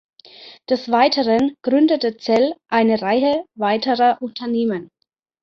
Des Weiteren gründete Zell eine Reihe weiterer Unternehmen.